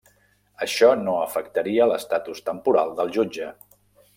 Això no afectaria l'estatus temporal del jutge.